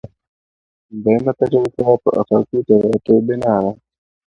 دویمه طریقه په آفاقي تغییراتو بنا ده.